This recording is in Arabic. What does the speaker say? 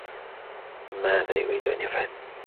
ماذا يريد أن يفعل؟